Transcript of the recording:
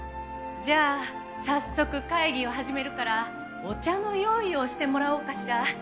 じゃあ早速会議を始めるからお茶の用意をしてもらおうかしら。